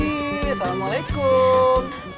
waalaikumsalam kak ngaceng